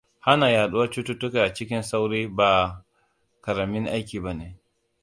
Hana yaduwar cutuka cikin sauri ba ƙaramin aiki bane.